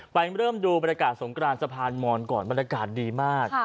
เริ่มดูบรรยากาศสงกรานสะพานมอนก่อนบรรยากาศดีมาก